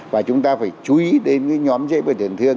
và chúng ta phải chú ý đến nhóm dây bệnh thường thương